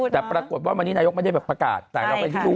แต่ปรากฏว่าวันนี้นายกไม่ได้ประกาศแต่เราเป็นที่รู้